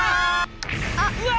うわ！